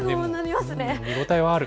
見応えはある。